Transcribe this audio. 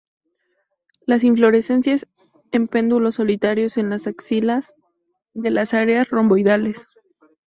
Las inflorescencias en pedúnculos solitarios en las axilas de las áreas romboidales.